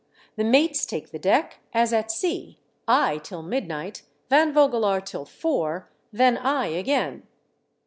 The mates take the deck as at sea, I till midnight. Van Vogelaar till four, then I again."